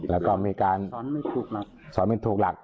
แล้วก็มีการสอนไม่ถูกหลัก